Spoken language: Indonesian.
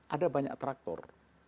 ada banyak traktor